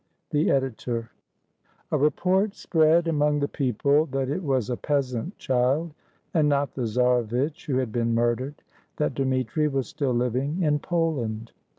The Editor.] A REPORT spread among the people that it was a peasant child, and not the czarevitch, who had been murdered; that Dmitri was still living in Poland.